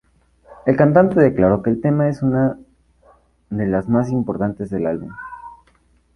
El cantante declaró que el tema es una de las más importantes del álbum.